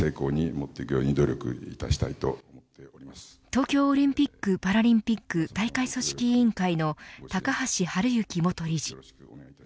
東京オリンピック・パラリンピック大会組織委員会の高橋治之元理事。